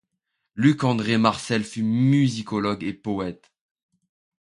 Luc-André Marcel fut musicologue et poète.